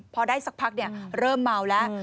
พอได้สักพักเริ่มเมาแล้ว